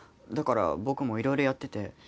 だから僕もいろいろやってて。